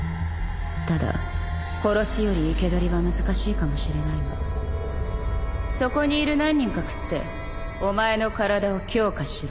ただ殺すより生け捕りは難しいかもしれないがそこにいる何人か喰ってお前の体を強化しろ